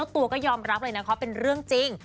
ตัวก็ยอมรับเลยนะเขาเป็นเรื่องจริง